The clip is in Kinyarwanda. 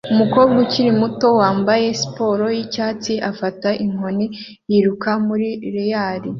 Umukobwa ukiri muto wambaye siporo yicyatsi afata inkoni yiruka muri relay